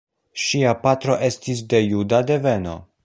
Ŝia patro estis de juda deveno.